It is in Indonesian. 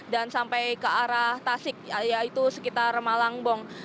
dan sampai ke arah tasik yaitu sekitar malangbong